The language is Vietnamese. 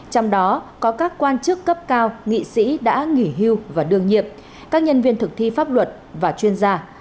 trong đó có các quan chức cấp cao nghị sĩ đã nghỉ hưu và đương nhiệm các nhân viên thực thi pháp luật và chuyên gia